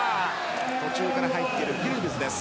途中から入っているギュルビュズです。